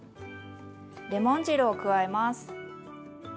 レモン汁を加えます。